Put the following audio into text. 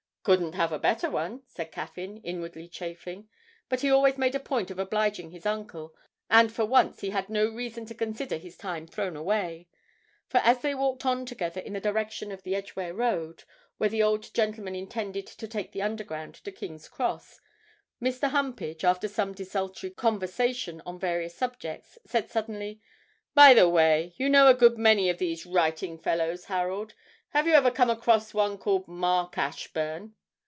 'Couldn't have a better one,' said Caffyn, inwardly chafing; but he always made a point of obliging his uncle, and for once he had no reason to consider his time thrown away. For, as they walked on together in the direction of the Edgware Road, where the old gentleman intended to take the Underground to King's Cross, Mr. Humpage, after some desultory conversation on various subjects, said suddenly, 'By the way, you know a good many of these writing fellows, Harold have you ever come across one called Mark Ashburn?'